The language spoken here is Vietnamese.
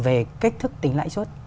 về cách thức tính lãi xuất